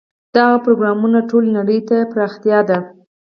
دغه پروګرامونه ټولې نړۍ ته پراختیايي دي.